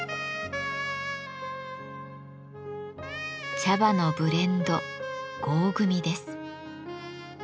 茶葉のブレンド合組です。